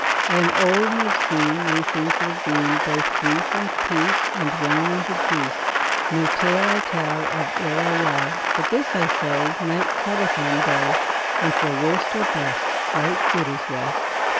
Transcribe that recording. I am old and have seen Many things that have been; Both grief and peace And wane and increase. No tale I tell Of ill or well, But this I say: Night treadeth on day, And for worst or best Right good is rest.